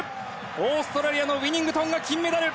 オーストラリアのウィニングトンが金メダル！